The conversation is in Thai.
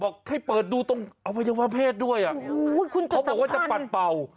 บอกให้เปิดดูตรงอวัยวะเพศด้วยเขาบอกว่าจะปัดเป่า